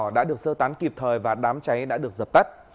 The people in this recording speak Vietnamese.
đã được sơ tán kịp thời và đám cháy đã được dập tắt